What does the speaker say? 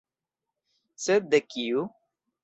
Sed de kiu?